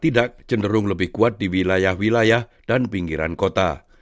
tidak cenderung lebih kuat di wilayah wilayah dan pinggiran kota